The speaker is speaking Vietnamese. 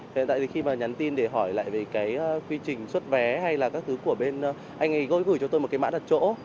hiện tại khi nhắn tin để hỏi lại về quy trình xuất vé hay là các thứ của bên anh ấy gối gửi cho tôi một mã đặt chỗ